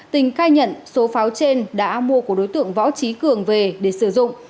tình khai nhận số pháo trên đã mua của đối tượng võ trí cường về để sử dụng